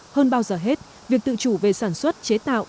hơn bao giờ hết việc tự chủ về sản xuất chế tạo